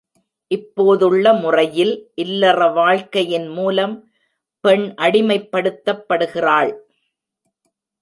இப்போதுள்ள முறையில் இல்லற வாழ்க்கையின் மூலம் பெண் அடிமைப்படுத்தப்படுகிறாள்.